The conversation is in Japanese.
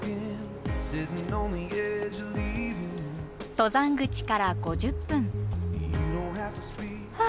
登山口から５０分。